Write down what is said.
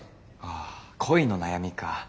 あ恋の悩みか。